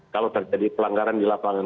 kalau terjadi pelanggaran di lapangan